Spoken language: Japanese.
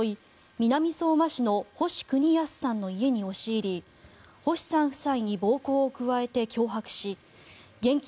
南相馬市の星邦康さんの家に押し入り星さん夫妻に暴行を加えて脅迫し現金